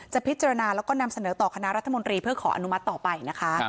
พิจารณาแล้วก็นำเสนอต่อคณะรัฐมนตรีเพื่อขออนุมัติต่อไปนะคะ